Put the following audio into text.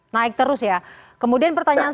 naik terus ya kemudian pertanyaan